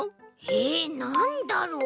えなんだろう。